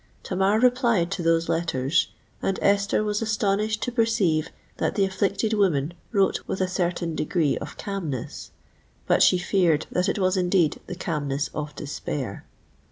Tamar replied to those letters; and Esther was astonished to perceive that the afflicted woman wrote with a certain degree of calmness:—but she feared that it was indeed the calmness of despair!